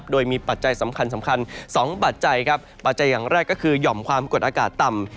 โดยมีปัจจัยสำคัญ๒ปัจจัยปัจจัยอย่างแรกก็คือหย่อมความกดอากาศต่ำ